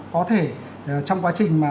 có thể trong quá trình mà